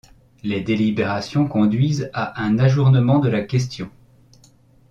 Les délibérations conduisent à un ajournement de la question.